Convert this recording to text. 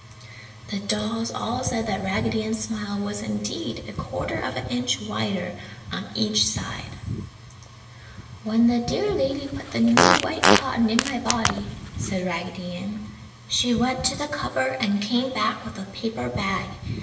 The dolls all said that Raggedy Ann's smile was indeed a quarter of an inch wider on each side. "When the dear lady put the new white cotton in my body," said Raggedy Ann "she went to the cupboard and came back with a paper bag.